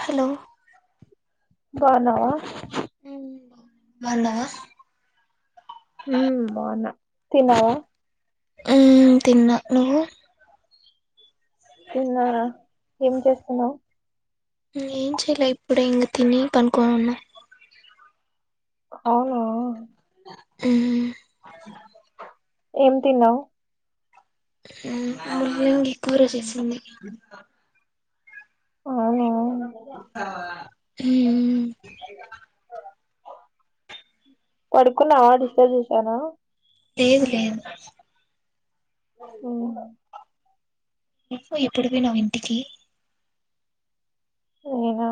Hello బాగున్నావా బాగుండావా ఉమ్ బాగున్న తినవా ఉమ్ తిన్నా నువ్వు తిన్నావా ఏం చేస్తున్నావు ఏం చేయలే ఇప్పుడే ఇంగ తిని పండుకొని ఉన్న ఆవునా అ ఏం తిన్నావ్ అవ్వ ఏమో గి కూర చేసింది అవునా ఉం ఉమ్ పడుకున్నావా డిస్టర్బ్ చేసానా లేేదు లేదు ఉ నువ్వు ఎప్పుడు పోయినవ్ ఇంటికి నేనా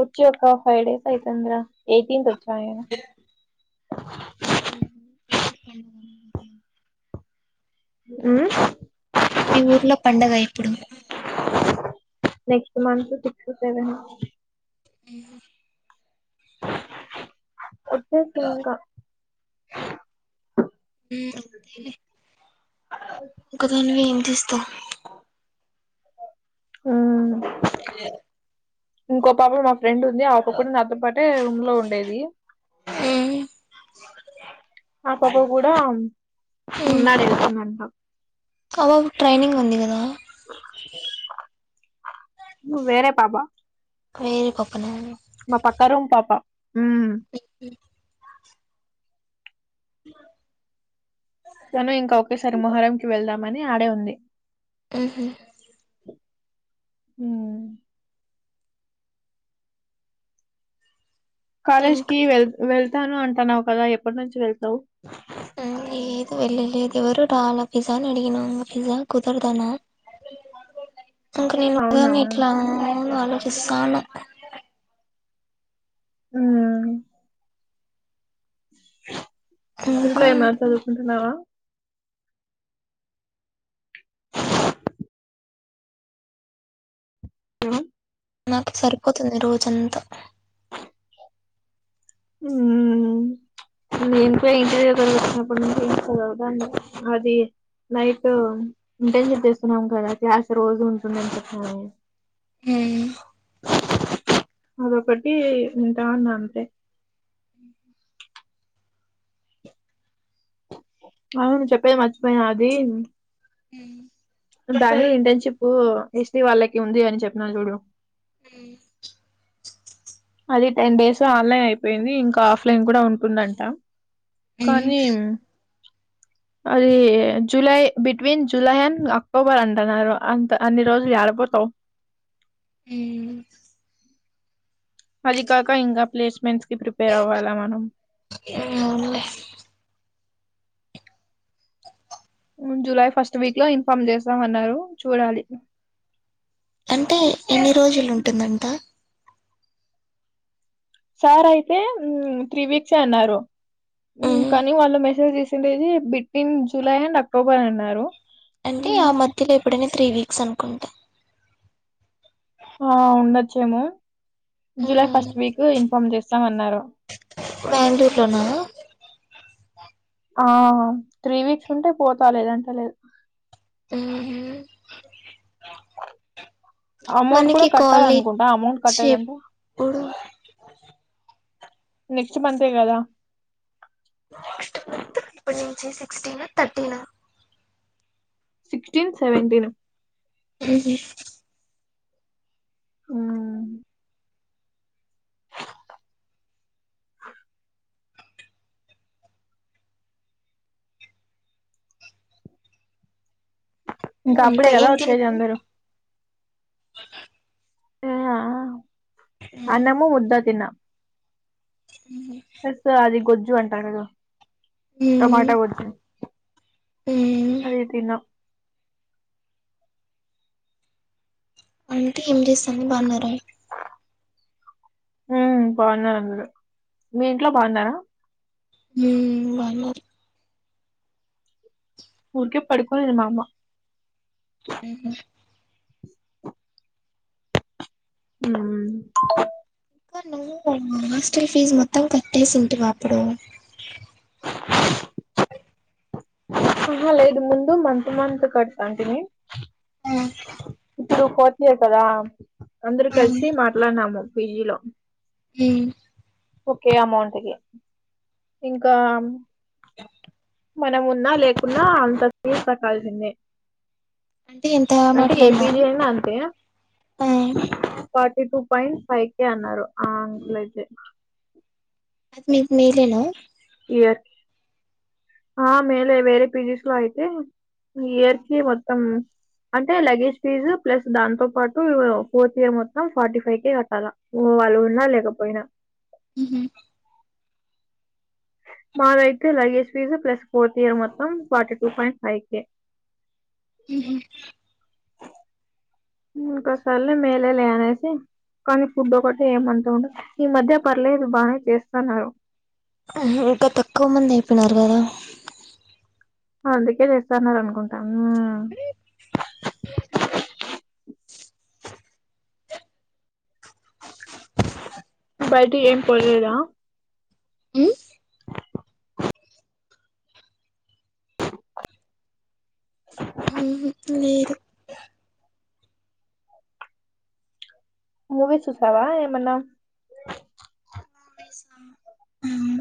వచ్చిక ఫైవ్ డేస్ అయితుంది రా ఎయిటీన్ బాగేనా ఇప్ ఉం మీ ఊర్లో పండగ ఇప్పుడు next month six seven fever వచ్చేసేయ్ ఇంకా అంతే లే ఒక్కదానివే ఏం చేస్తావు ఆ ఇంకో పాప మా ఫ్రెండ్ ఉంది ఆ ఒప కూడా నాతో పాటే రూమ్లో ఉండేది ఆ పాప కూడా ఉన్నాను వెతుందంట అ పాప్ కి ట్రైనింగ్ ఉంది కదా వేరే పాపా క్రెఫఫ్ మా పక్కా రూమ్ పాప తను ఇంకా ఒకేసారి మొహరంకి వెళ్దామని ఆడే ఉంది ఉహ ఉ కాలేజ్ ఇంకా కి వెళ్ వెళ్తానా అంటానా కదా ఎప్పటి నుంచి వెళ్తావు లేదు వెళ్ళలేదు ఎవరు రాలా పిజా అని అడిగిన పిజ్జా కుదరదన అంక నేను అవునా ఒక్కదాన్ని ఇట్లా ఆలోచిస్తాన్న హ ఊర్లో ఇంకా ఏమన్నా చదువుకుంటున్నావా హలో నాకు సరిపోతుంది రోజంతా [unintelligible] కుదరదండి అది నైట్ ఇంటెన్షిప్ చేస్తున్నాము కదా ఆశ రోజు ఉంటుందింత కానీ ఉ అదొక్కటి వింటాన్నా అంతే అవును చెప్పేది మర్చిపోయినా అది హ బెంగళూరు ఇంటర్న్షిప్ ఎస్టీ వాళ్ళకి ఉంది అని చెప్పినను చూడు ఉ అది టెన్ డేస్ ఆన్లైన్ అయిపోయింది ఇంకా ఆఫ్లైన్ కూడా ఉంటుందంట కానీమ్ అది July between July and October అంటున్నారు అంత అన్ని రోజులు ఆడపోతావు ఆ పది కాక ఇంకా ప్లేస్మెంట్ ప్రిపేర్ అవ్వాలా మనం అవునులే జూలై ఫస్ట్ వీక్ లో ఇన్ఫార్మ్ చేస్తామన్నారు చూడాలి అంటే ఎన్ని రోజులు ఉంటుందంట సార్ అయితే త్రీ వీక్స్ అన్నారు కానీ వాళ్ళు మెసేజ్ టేజీ బిట్వీన్ జూలై అండ్ అక్టోబర్ అన్నారు అంటే ఆ మధ్యలో ఎప్పుడైనా త్రీ వీక్స్ అనుకుంటా ఆ ఉండొచ్చేమో జూలై ఫస్ట్ వీక్ ఇన్ఫార్మ్ చేస్తామన్నారు బెంగళూరులో నా ఆ త్రీ వీక్స్ ఉంటే పోతా లేదంటే లేదు ఉహా అమౌంట్ కూడా కాలేజ్ కట్టాలనుకుంటా అమౌంట్ కట్టేదంటే ఎప్పుడు నెక్స్ట్ మంతే కదా త్రీ సిక్స్టీ నా తర్టీన్ సిక్స్టీన్ సెవెంటీన్ ఉహా అ ఇంకా అప్పుడే కదా ఏం వచ్చేది తిన్నావు అందరు ఆ అన్నము ముద్ద తిన్న ఎస్ అది గొజ్జు అంటారు దు మ్మ్ టమాటా గొజ్జు మ్మ్ అదే తినం అంటే ఏం చేస్తాంది బాన్నార ఉ బాన్నారు అందురు మీ ఇంట్లో బాన్నారా మ్మ్ బాగున్నారు ఊరికే పడుకోనింది మా అమ్మ మ్మ్ హ్మ్ నువ్వు హాస్టల్ ఫీజు మొత్తం కట్టేసింటివా అప్పుడు ఆహా లేదు ముందు మంత్ మంత్ కడతాంటిమి ఆ ఇప్పుడు ఫోర్త్ ఇయర్ కదా అందరు ఆ కలిసి మాట్లాడినాము పీజీ లో మ్మ్ ఒకే అమౌంట్కి ఇంకా మనమున్నా లేకున్నా అంత ఫీ కట్టాల్సిందే అంటే ఎంత అంటే ఏ మాట్లాడినారు పీజీ అయినా అంతే ఆ టూ పాయింట్ ఫైకె అన్నారు ఆ అట్లయితే మీకు మేలేనా ఇయర్ ఆ మేలే వేరే పిజీస్ లో అయితే ఇయర్ కి మొత్తం అంటే లగేజ్ ఫీజు ప్లస్ దాంతో పాటు ఫోర్త్ ఇయర్ మొత్తం ఫార్టీ ఫైకే కట్టాల వాళ్ళు ఉన్నా లేకపోయినా మ్మ్ హ్మ్ మాదయితే luggage fee plus fourth year మొత్తం forty two point five K మ్మ్ హ్మ్ ఇంక సర్లే మేలేలే అనేసి కానీ ఫుడ్ ఒకటి ఏమంత ఉండదు ఈ మధ్య పర్లేదు బానే చేస్తన్నారు ఇంకా తక్కువ మంది అయిపోయినారు కదా అందుకే చేస్తన్నారు అనుకుంటా మ్మ్ బయటే ఏం పోలేదా మ్మ్ లేదు మూవీ చూసావా ఏమన్నా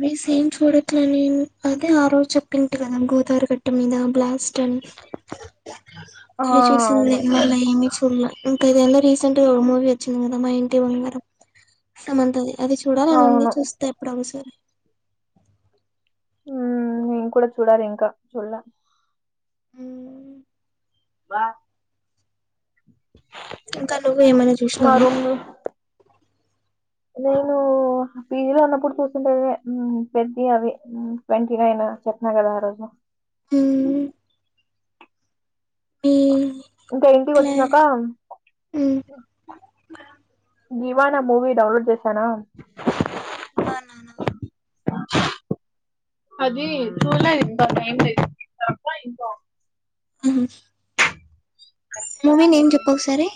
న్యూస్ ఏం చూడట్లేదు నేను అదే ఆ రోజు చెప్పింటి కదా గోదారి గట్టు మీద లాస్ట్ అని [unintelligible] ఆ అది చూసిందే అవును మళ్ళ ఏమీ చూడల ఇంకా ఇదేందో రీసెంట్ గా మూవి వచ్చింది కదా మా ఇంటి బంగారం సమంతది అది చూడాలని ఉంది అవును చూస్త ఎప్పుడోకసారి మ్మ్ నేను కూడా చూడాలి ఇంకా చూడలే వా ఇంకా నువ్వు ఏమైనా చూసినావా లో నేను పీజీలో ఉన్నప్పుడు చూసిండేవే మ్మ్ పెద్ది అవి మ్మ్ ట్వంటీ నైన్ చెప్పిన కదా ఆరోజు హ్మ్ బీ ఇంకా ఇంటికొచ్చినాక మ్మ్. దివానా మూవీ డౌన్లోడ్ చేసానా దివా నానా [unintelligible] అది చూల్ల ఇంకా టైం లేదు తప్ప ఇంకా మ్మ్ మూవీ నేమ్ చెప్పు ఒకసారి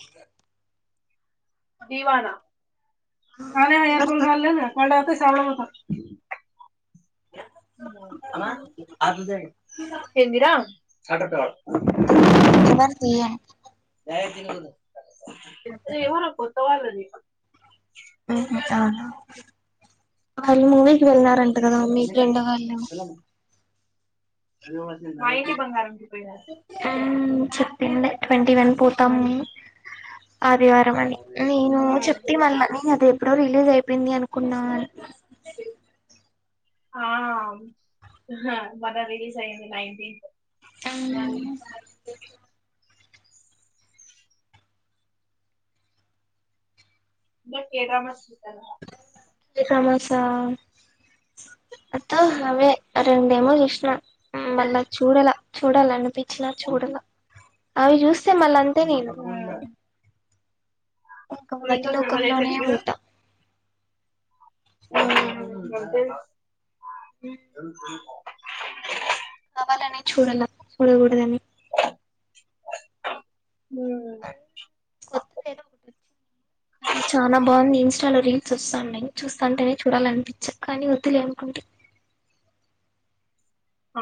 దీవానా ఉ ఎవరిది ఏందిరా అది ఎవరిది ఏమోరా కొత్త వాళ్ళది మ్ హు తన వాళ్ళు మూవీకి వెళ్ళారంట కదా మీ ఫ్రెండ్ వాళ్ళు మా ఇంటి బంగారానికి పోయారు చెప్పిందే ట్వంటీ వన్ పోతాం ఆదివారం అని నేను చెప్తే మళ్ళా నేను అదే ఎప్పుడో రిలీజ్ అయిపోయింది అనుకున్నా అంది ఆ మొన్న రీలిజ్ అయింది నైన్టీన్త్ అవునవును నీ డేట్ ఆఫ్ బర్త్ ఇదేనా డ్రామాసా అవే రెండు ఏమో మళ్ళా చూడాల చూడాలనిపించినా చూడాల అవి చూసి సె మళ్ళ్ అంతే నేను ఇంకా అది వాటి లోకంలోనే చూడలేదు ఉంటా మ్ అంటే వాళ్ళని చూడాల చూడకూడదని కొత్త ఏదో ఒకటి వచ్చింది కాని చాలా బావుంది ఇస్టాలో రీల్స్ వస్తాన్నాయి చూస్తాంటేనే చూడాల అనిపించ కానీ వద్దులే అనుకుంటే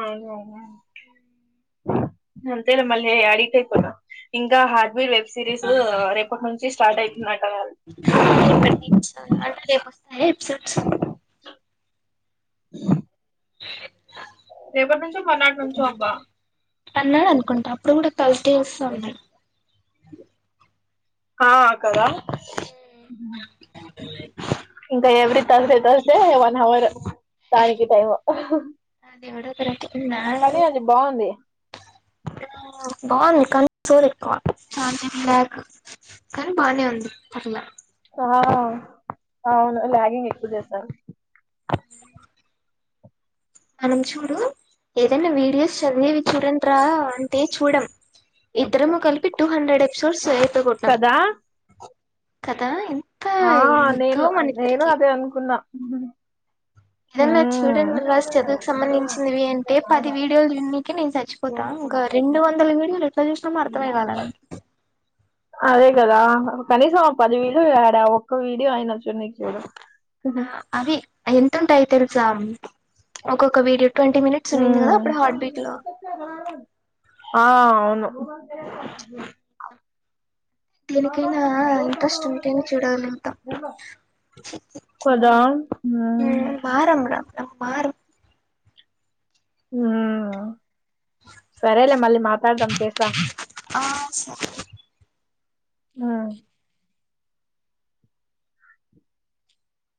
ఆ డ్రామా అంతేలే మళ్లీ అడిగితే అయిపోత ఇంకా హార్డ్వేర్ వె సిరీస్ రేపటి నుంచి స్టార్ట్ అయితుందంటగా అది రేపటి నుంచి అంటే రేపు వస్తాయ ఎపిసోడ్స్ [unintelligible] [unintelligible] రేపటి నుంచో మరు నాట్ నుంచో అబ్బా అన్నాడు అనుకుంటా అప్పుడు కూడా థర్స్డే వస్తోంది ఆ కదా ఇంకా every Thursday Thursday one hour దానికి టైము అది ఎవడో ఒకరకంగా కానీ అది బావుంది బావుంది కానీ సోది ఎక్కువ చాలా లేగ్ కాని బానే ఉంది పర్లే ఆ అవును ల్యాగింగ్ ఎక్కువ చేస్తారు మనం చూడు ఏదైనా వీడియోస్ చదివేవి చూడండి రా అంటే చూడం ఇద్దరము కలిపి టూ హండ్రెడ్ ఎపిసోడ్స్ అయిపోగొట్ట్నాం కదా కదా ఎంత ఆ ఇదో నేను నేను మనిద్దరికి అదే అనుకున్నా ఏదన్నా హ్మ్ చూడండి రా చదువుకు సంబంధించినవి అంటే పది వీడియోలు చూడ్నికే నేను చచ్చిపోతా ఇంకా రెండు వందలు వీడియోలు ఎట్లా చూసినం అర్థమేకాలేదే అదే కదా కనీసం ఒక పది వీడియో ఏడా ఒక్క వీడియో అయిన చూడ్నికీ చూడు ఆ అవి ఎంతుంటాయి తెలుసా ఒక్కొక్క వీడియో ట్వంటీ మినిట్స్ ఉన్నింది కదా ఉమ్ అప్పుడు హార్ట్ బీట్ లో ఆ అవును దేనికైనా ఇంట్రెస్ట్ ఉంటేనే చూడగలుగుతాం. [unintelligible] కదా ఉమ్ మారం రా మనం మారం ఉమ్ సరేలే మళ్లి మాట్లాడదాం చేస్తా ఆ సరే ఉమ్